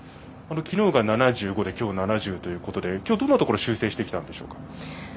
昨日が７５で今日は７０ということでどんなところを修正してきたんでしょうか。